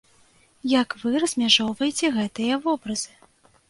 Як вы размяжоўваеце гэтыя вобразы?